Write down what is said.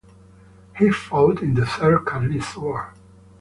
He fought in the Third Carlist War.